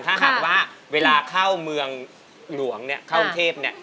ถ้าหากว่าเวลาเข้าเมืองหลวงเนี่ยเข้ากรุงเทพเนี่ย